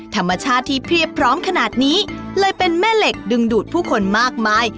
ธรรมชาติที่เพียบพร้อมขนาดนี้เลยเป็นแม่เหล็กดึงดูดผู้คนมากมาย